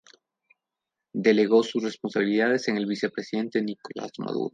Delegó sus responsabilidades en su vicepresidente Nicolás Maduro.